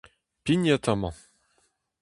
Pignit amañ !